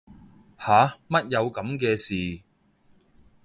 吓乜有噉嘅事